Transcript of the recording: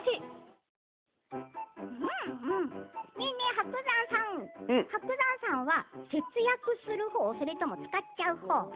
伯山さん伯山さんは、節約する方？それとも使っちゃう方？